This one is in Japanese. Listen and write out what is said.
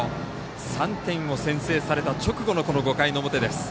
３点を先制された直後この５回の表です。